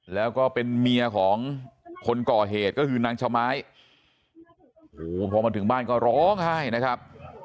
แล้วก็เป็นเมียของคนก่อเหตุก็คือนางชะไม้โอ้โหพอมาถึงบ้านก็ร้องไห้นะครับ